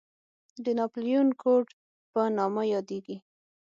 د ناپلیون کوډ په نامه یادېږي.